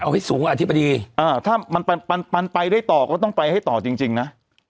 เอาให้สูงอธิบดีถ้ามันไปได้ต่อก็ต้องไปให้ต่อจริงนะ